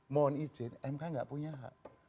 mohon izin mk nggak punya hak